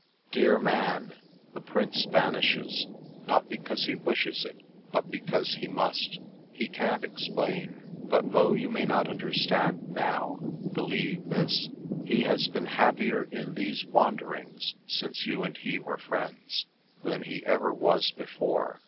"Dear Man, the Prince vanishes, not because he wishes it, but because he must. He can't ex plain. But, though you may not understand now, believe this. He has been happier in these wander ings, since you and he were friends, than he ever was before.